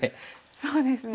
そうですね。